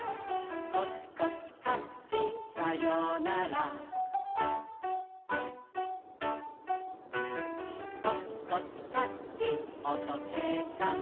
「コチコチカッチンさようなら」「コチコチカッチンおとけいさん」